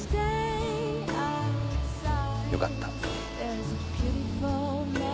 よかった。